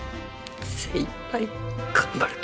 精いっぱい頑張るき。